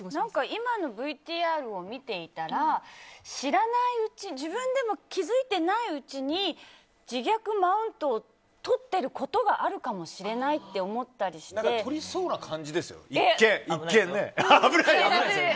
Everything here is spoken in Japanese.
今のＶＴＲを見ていたら知らないうち自分でも気づいていないうちに自虐マウントを取ってることがあるかもしれないってとりそうな感じですね、一見。